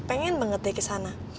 pengen banget deh ke sana